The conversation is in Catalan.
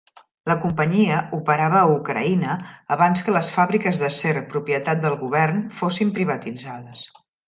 La companyia operava a Ucraïna abans que les fàbriques d'acer propietat del govern fossin privatitzades.